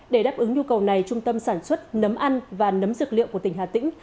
để đáp ứng nhu cầu này trung tâm sản xuất nấm ăn và nấm dược liệu của tỉnh hà tĩnh